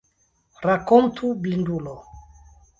Rakontu, blindulo!